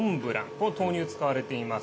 これ、豆乳使われています。